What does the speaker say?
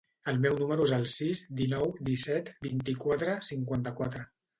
El meu número es el sis, dinou, disset, vint-i-quatre, cinquanta-quatre.